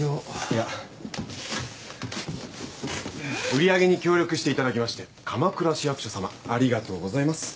売り上げに協力していただきまして鎌倉市役所さまありがとうございます。